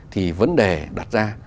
thì vấn đề đặt ra